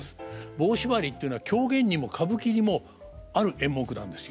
「棒しばり」っていうのは狂言にも歌舞伎にもある演目なんですよ。